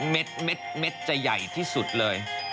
เม็ดจะใหญ่ที่สุดเลย